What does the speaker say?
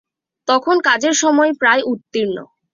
তখন কাজের সময় প্রায় উত্তীর্ণ।